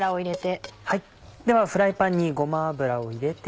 ではフライパンにごま油を入れて。